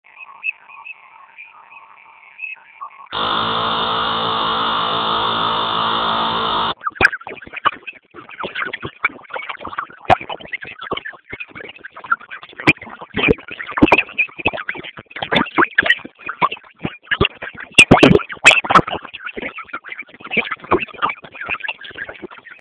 Wengi wao ni katika mashambulizi ya usiku wa manane yaliyofanywa kwa kutumia mapanga na mashoka